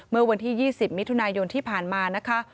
เมื่อวันที่๒๐มิถุนายนที่ผ่านมานะคะ